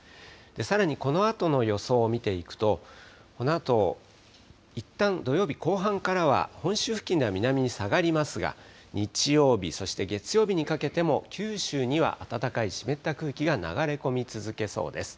さらに、このあとの予想を見ていくと、このあといったん土曜日後半からは、本州付近では南に下がりますが、日曜日、そして月曜日にかけても九州には暖かい湿った空気が流れ込み続けそうです。